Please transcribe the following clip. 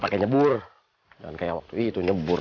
pakai nyebur dan kayak waktu itu nyebur